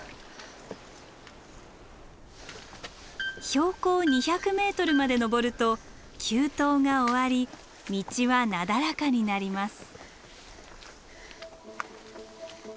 標高２００ｍまで登ると急登が終わり道はなだらかになります。